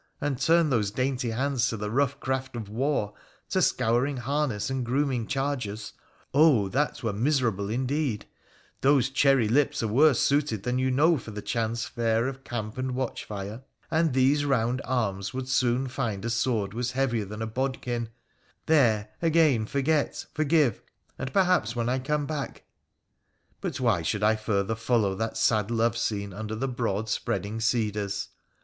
And turn those dainty hands to the rough craft of war, to scouring harness and grooming chargers — oh ! that were miserable indeed ; those cherry lips are worse suited than you know for the chance fare of camp and watchfire, and these round arms would soon find a sword was heavier than a bodkin — there, again forget, forgive — and, perhaps, when I come back ' But why should I further follow that sad love scene under the broad spreading cedars